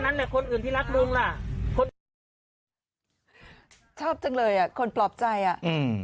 มันแค่นั้นแหละคนอื่นที่รักลุงล่ะชอบจังเลยอ่ะคนปลอบใจอ่ะอืม